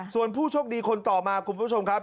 ส่วนผู้โชคดีคนต่อมาคุณผู้ชมครับ